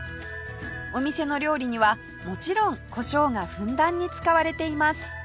お店の料理にはもちろん胡椒がふんだんに使われています